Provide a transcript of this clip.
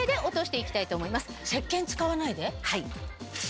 はい。